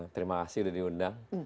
terima kasih sudah diundang